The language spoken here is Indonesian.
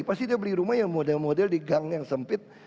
pasti dia beli rumah yang model model di gang yang sempit